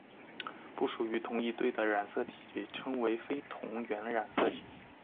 不属于同一对的染色体称为非同源染色体。